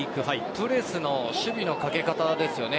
プレスの守備のかけ方ですよね。